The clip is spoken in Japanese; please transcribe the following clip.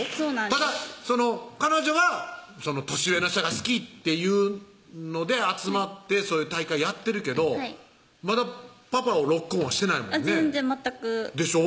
ただ彼女が年上の人が好きっていうので集まってそういう大会やってるけどまだパパをロックオンはしてないもんね全然全くでしょ？